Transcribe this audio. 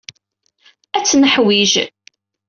Ad tt-neḥwij.